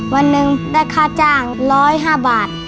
วันหนึ่งได้ค่าจ้าง๑๐๕บาท